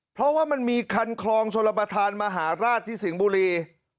เพราะว่ามันมีคันคลองชลประธานมหาราชที่สิงห์บุรี